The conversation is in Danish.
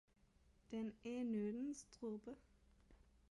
Den er en nådens dråbe